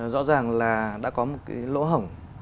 rõ ràng là đã có một cái lỗ hậu